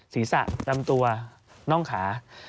ศีรษะลำตัวน่องขา